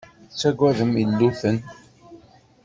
Ttagaden illuten.